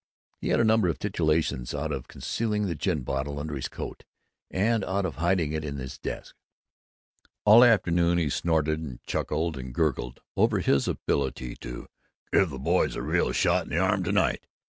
He had a number of titillations out of concealing the gin bottle under his coat and out of hiding it in his desk. All afternoon he snorted and chuckled and gurgled over his ability to "give the Boys a real shot in the arm to night."